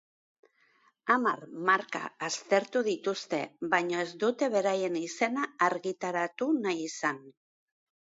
Hamar marka aztertu dituzte, baina ez dute beraien izena argitaratu nahi izan.